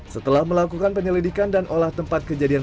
setelah melakukan penyelidikan dan olah tempat kejadian